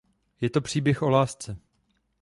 Je to příběh o lásce.